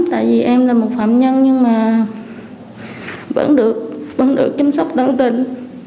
tại vì em là một phạm nhân nhưng mà vẫn được chăm sóc tận tình